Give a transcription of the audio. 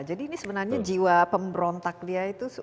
jadi ini sebenarnya jiwa pemberontak dia itu